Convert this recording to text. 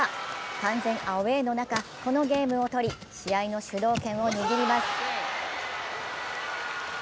完全アウェーの中、このゲームをとり、試合の主導権を握ります。